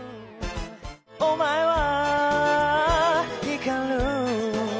「お前は光る」